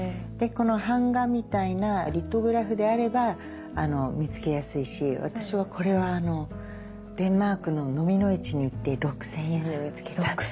でこの版画みたいなリトグラフであれば見つけやすいし私はこれはデンマークの蚤の市に行って６，０００円で見つけた。